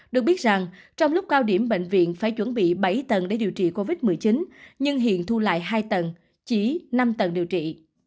được biết rằng trong lúc cao điểm bệnh viện phải chuẩn bị bảy tầng để điều trị covid một mươi chín nhưng hiện thu lại hai tầng chỉ năm tầng điều trị